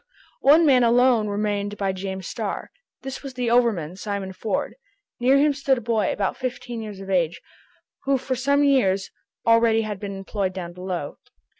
One man alone remained by James Starr. This was the overman, Simon Ford. Near him stood a boy, about fifteen years of age, who for some years already had been employed down below.